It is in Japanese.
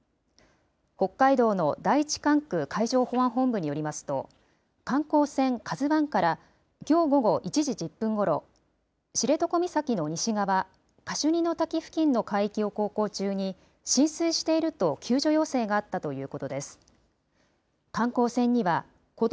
北海道の第１管区海上保安本部によりますと、観光船ＫＡＺＵわんから、きょう午後１時１０分ごろ、知床岬の西側、カシュニのたき付近の海域を航行中に、浸水していると救助要請があったということです。